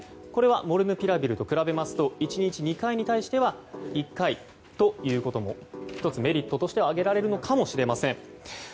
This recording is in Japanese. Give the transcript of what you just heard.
これはモルヌピラビルと比べますと１日２回に対しては１回ということも１つメリットとして挙げられるのかもしれません。